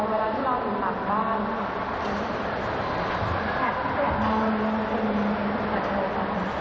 เวลาที่เราอยู่หลังบ้าน